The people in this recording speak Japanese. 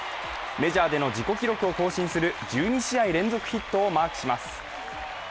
メジャーで自己記録を更新する１２試合連続ヒットをまーくします。